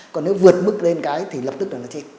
còn nếu vượt mức lên cái thì lập tức là nó chịu